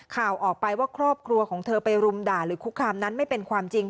ข่าวออกไปว่าครอบครัวของเธอไปรุมด่าหรือคุกคามนั้นไม่เป็นความจริง